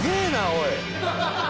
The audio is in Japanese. おい。